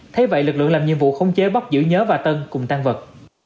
thế vậy lực lượng làm nhiệm vụ không chế bóc giữ nhớ và tân cùng tan vật